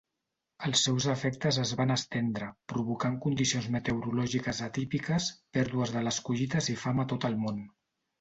Els seus efectes es van estendre, provocant condicions meteorològiques atípiques, pèrdues de les collites i fam a tot el món.